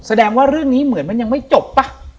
แสดงว่าเรื่องนี้เหมือนมันยังไม่จบป่ะ